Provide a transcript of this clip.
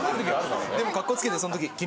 でもかっこつけてそのとき。